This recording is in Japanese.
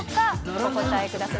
お答えください。